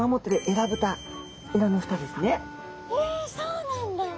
えそうなんだ。